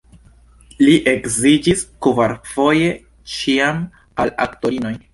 Li edziĝis kvarfoje, ĉiam al aktorinoj.